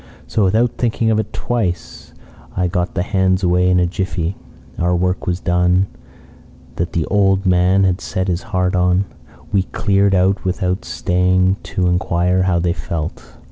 So, without thinking of it twice, I got the hands away in a jiffy. Our work was done that the old man had set his heart on. We cleared out without staying to inquire how they felt.